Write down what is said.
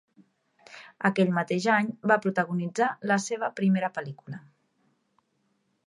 Aquell mateix any va protagonitzar la seva primera pel·lícula.